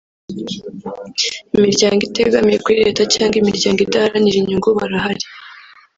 Imiryango itegamiye kuri Leta cyangwa Imiryango Idaharanira inyungu barahari